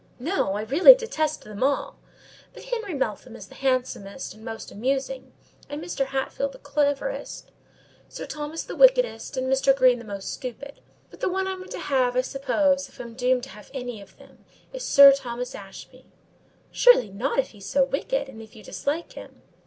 "No, I really detest them all; but Harry Meltham is the handsomest and most amusing, and Mr. Hatfield the cleverest, Sir Thomas the wickedest, and Mr. Green the most stupid. But the one I'm to have, I suppose, if I'm doomed to have any of them, is Sir Thomas Ashby." "Surely not, if he's so wicked, and if you dislike him?"